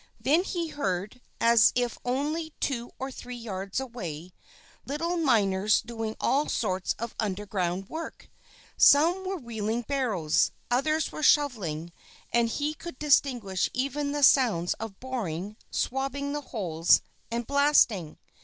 Then he heard, as if only two or three yards away, little miners doing all sorts of underground work. Some were wheeling barrows, others were shovelling; and he could distinguish even the sounds of boring, swabbing the holes, and blasting.